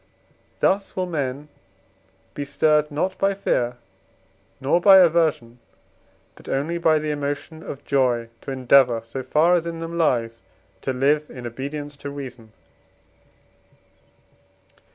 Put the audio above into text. Thus will men be stirred not by fear, nor by aversion, but only by the emotion of joy, to endeavour, so far as in them lies, to live in obedience to reason.